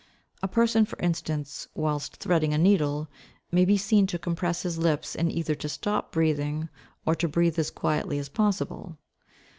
A person, for instance, whilst threading a needle, may be seen to compress his lips and either to stop breathing, or to breathe as quietly as possible.